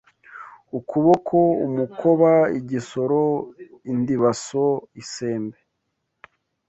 ukuboko, umukoba, igisoro, indibaso, isembe